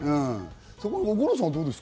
五郎さんはどうですか？